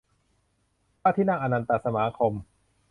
พระที่นั่งอนันตสมาคม